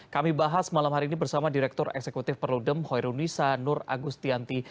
kami bahas malam hari ini bersama direktur eksekutif perludem hoirunisa nur agustianti